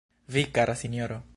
Vi, kara sinjoro?